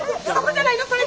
そこじゃないの？